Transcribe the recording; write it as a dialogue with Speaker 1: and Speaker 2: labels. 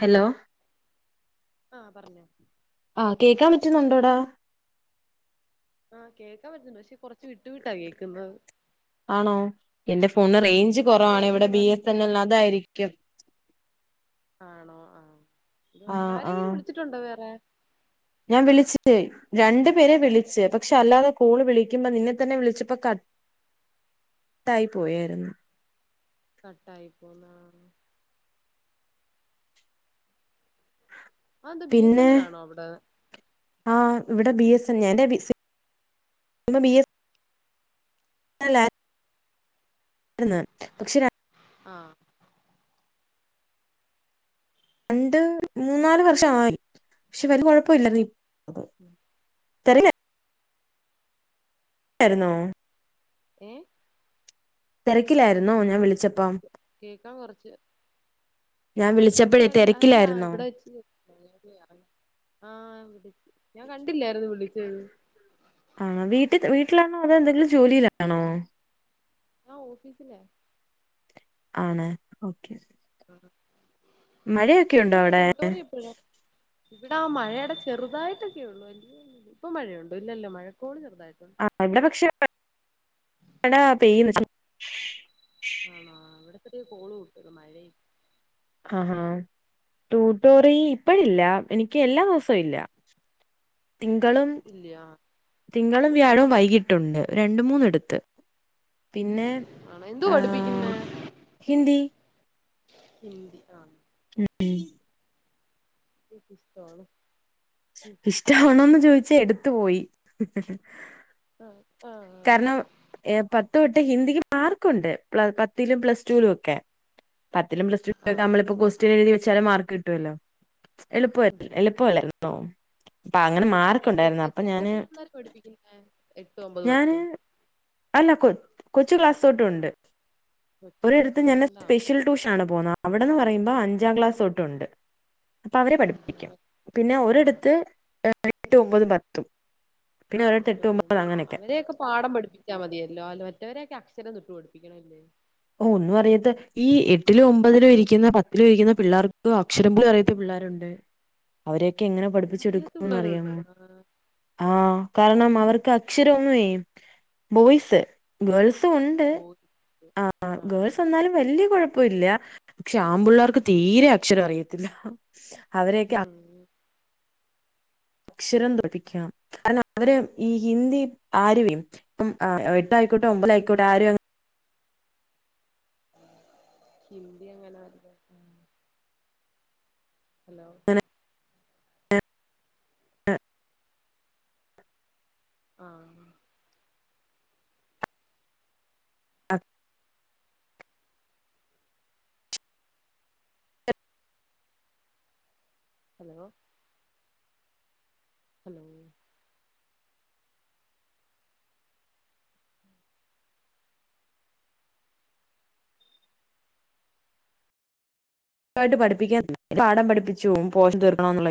Speaker 1: hello
Speaker 2: ആഹ് പറഞ്ഞോ
Speaker 1: ആഹ് കേൾക്കാൻ പറ്റുന്നുണ്ടോടാ
Speaker 2: ആഹ് കേക്കാൻ പറ്റുന്നു പക്ഷെ കൊറച്ച് വിട്ടു വിട്ടാ കേക്കുന്നത്
Speaker 1: ആണോ എന്റെ ഫോണിന് റേഞ്ച്
Speaker 2: നെറ്റ്
Speaker 1: കുറവാണ് ഇവിടെ
Speaker 2: വർക്കിന്റെ
Speaker 1: ബി എസ്
Speaker 2: പ്രശ്നോ
Speaker 1: എൻ എൽ അതായിരിക്കും
Speaker 2: ആണോ ആഹ് പിന്നെ
Speaker 1: ആഹ് ആഹ്
Speaker 2: ആരെങ്കിലും വിളിച്ചിട്ടുണ്ടോ വേറെ
Speaker 1: ഞാൻ വിളിച്ചേ രണ്ടു പേരെ വിളിച്ചച്ച് പക്ഷെ അല്ലാതെ കോള് വിളിക്കുമ്പ നിന്നെ തന്നെ വിളിച്ചപ്പ കട്ട ട്ടായി പോയായിരുന്നു
Speaker 2: കട്ട് ആയി പോന്ന ആഹ് എന്താ ബി എസ് എൻ
Speaker 1: പിന്നെ
Speaker 2: എൽ ആണോ അവിടെ
Speaker 1: ആഹ് ഇവിടെ ബി എസ് എൻ എലിന്റെ ബി എസ് അല്ല പക്ഷെ
Speaker 2: ആഹ്
Speaker 1: രണ്ട് മൂന്ന് നാല് വർഷായി പക്ഷെ വലിയ കുഴപ്പ ഇല്ലായിരുന്നു ഈ
Speaker 2: ഉം
Speaker 1: [unintelligible] ആരുന്നോ
Speaker 2: ഏഹ്
Speaker 1: തിരക്കിലായിരുന്നോ ഞാൻ വിളിച്ചപ്പ
Speaker 2: കേൾക്കാൻ കുറച്ച്
Speaker 1: ഞാൻ വിളിച്ചപ്പോഴേ
Speaker 2: ചെരക്കല്ല അല്ല
Speaker 1: തിരക്കിലായിരുന്നോ
Speaker 2: ഇവിടെ വെ ആഹ് വിള ഞാൻ കണ്ടില്ലായിരുന്നു വിളിച്ചത്
Speaker 1: ആണോ വീട്ടിൽ വീട്ടിലാണോ അതോ എന്തെങ്കിലും ജോലില്ലാണോ
Speaker 2: ആഹ് ഓഫീസില
Speaker 1: ആണ് ഓക്കെ മഴയൊക്കെ ഉണ്ടോ
Speaker 2: എപ്പഴാ
Speaker 1: അവിടെ
Speaker 2: ടൂട്ടോറി എപ്പഴ ഇവിടെ ആഹ് മഴയുടെ ചെറുതായിട്ടൊക്കെ ഉള്ളു ഇപ്പ മഴയണ്ട ഇല്ലല്ലോ മഴക്കോട് ചെറുതായിട്ടുണ്ട്
Speaker 1: ആഹ് അവിടെ പക്ഷെ പച്ച
Speaker 2: ആണോ ഇവിടത്തെ കോള് കിട്ട മഴ
Speaker 1: ആഹാ ടൂട്ടോറി ഇപ്പഴല്ല എനിക്ക് എല്ലാ ദിവസവും ഇല്ല തിങ്കളും
Speaker 2: ഇല്ല ആ
Speaker 1: തിങ്കളും വ്യാഴവും വൈകിട്ടുണ്ട് രണ്ട് മൂന്നെടുത്ത് പിന്നെ
Speaker 2: ആണോ എന്തു പഠിപ്പിക്കുന്നെ
Speaker 1: ആഹ് ഹിന്ദി
Speaker 2: ഹിന്ദി ആണ്
Speaker 1: ഉം
Speaker 2: [unintelligible]
Speaker 1: ഇഷ്ടാവണന്ന് ചോദിച്ചാ എടുത്തു പോയി
Speaker 2: ആഹ് ആഹ്
Speaker 1: കാരണം പത്ത് തൊട്ട് ഹിന്ദിക്ക് മാർക്കുണ്ട് പ പത്തിലും പ്ലസ് ടുവിലും ഒക്കെ പത്തിലും പ്ലസ്ടുക്കെ
Speaker 2: ആഹ്
Speaker 1: നമ്മളിപ്പോ കൊസ്‌റ്റ്യൻ എഴുതി വച്ചാലും മാർക്ക് കിട്ടുമല്ലോ എളുപ്പ എളുപ്പൊല്ലാന്നോ അപ്പൊ അങ്ങനെ മാറി
Speaker 2: എ എത്ര ക്ലാസ്ലെ പിള്ളോര് പഠിപ്പിക്ക്ന്നെ
Speaker 1: ഞാന് അല്ല കൊ കൊച്ച് ക്ലാസ്സ് തൊട്ടൊണ്ട്
Speaker 2: കൊറച്ച് ക്ലാസ്സൊട്ടേയൊണ്ടാ
Speaker 1: ഷ്യൽ ടൂഷാണ് പോന്ന അവിടെന്ന് പറയുമ്പോ അഞ്ചാം ക്ലാസൊട്ടൊണ്ട് അപ്പവരെ പഠിപ്പിക്കും പിന്നെ
Speaker 2: ആഹ്
Speaker 1: ഒരെടത്ത് ഏഹ് എട്ട് ഒമ്പതും പത്തും പിന്നെ ഒരിടത്ത്
Speaker 2: ട്ട്
Speaker 1: എട്ട്
Speaker 2: ഒമ്പത് പത്ത്
Speaker 1: അങ്ങനെയൊക്കെ
Speaker 2: അവരെയൊക്കെ പാഠം പഠിപ്പിച്ചാ മതിയല്ലോ അല്ല മറ്റവരെക്കെ അക്ഷരം തൊട്ട് പഠിപ്പിക്കണല്ലേ
Speaker 1: ഓ ഒന്നും അറിയത്ത ഈ എട്ടിലോ ഒമ്പതിലോ ഇരിക്കുന്ന പത്തിലോ ഇരിക്കുന്ന പിള്ളേർക്ക് അക്ഷരം പോലു അറിയത്ത പിള്ളേർ രൊണ്ട് അവരെക്കെ എങ്ങനെ
Speaker 2: അറിയാത്ത
Speaker 1: പഠിപ്പിച്ചെടുക്കൂന്ന്
Speaker 2: പിള്ളേരോട്
Speaker 1: അറിയാമോ
Speaker 2: ആഹ്
Speaker 1: ആഹ് കാര്ണം അവർക്ക് അക്ഷരം ഒന്ന്വേ ബോയ്സ് ഗേൾസും ഒണ്ട്
Speaker 2: ബോയ്സ്
Speaker 1: ആഹ് ഗേൾസ് എന്നാലും വല്ല്യെ കൊഴപ്പവില്ല ക്ഷാമ്പുള്ളേർക്ക് തീരെ അക്ഷരം അറിയത്തില്ല അവരെയൊക്കെ
Speaker 2: ഉം
Speaker 1: അക്ഷരം [unintelligible] കാര്ണം അവര് ഈ ഹിന്ദി ആരുവേം പം അ ഏഹ് എട്ടായിക്കോട്ടെ ഒമ്പതായിക്കോട്ടെ ആരു അ
Speaker 2: ഹിന്ദ്യങ്ങനെ [unintelligible] ഹലോ ആഹ്
Speaker 1: [unintelligible]
Speaker 2: ഹലോ ഹലോ
Speaker 1: യിട്ട് പഠിപ്പിക്ക പാഠം പഠിപ്പിച്ചോറ പോഷൻ തീർക്കണോന്നൊള്ള